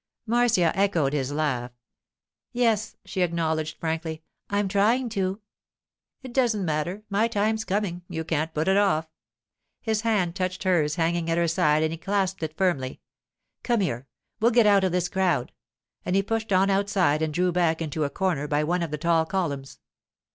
Marcia echoed his laugh. 'Yes,' she acknowledged frankly; 'I'm trying to.' 'It doesn't matter. My time's coming; you can't put it off.' His hand touched hers hanging at her side and he clasped it firmly. 'Come here; we'll get out of this crowd,' and he pushed on outside and drew back into a corner by one of the tall columns.